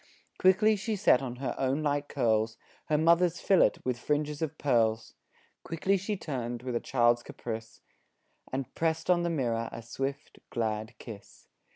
Quickly she set on her own light curls Her mother's fillet with fringes of pearls; Quickly she turned with a child's caprice And pressed on the mirror a swift, glad kiss.